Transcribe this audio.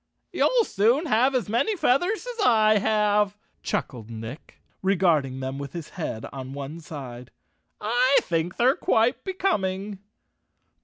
"You'll soon have as many feathers as I have," chuckled Nick, regarding them with his head on one side. "I think they're quite becoming!"